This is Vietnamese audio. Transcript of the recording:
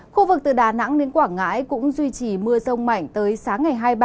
khu vực từ đà nẵng đến quảng ngãi cũng duy trì mưa rông mạnh tới sáng ngày hai mươi ba